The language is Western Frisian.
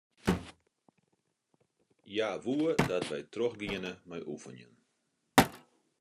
Hja woe dat wy trochgiene mei oefenjen.